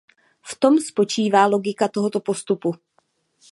V tom spočívá logika tohoto postupu.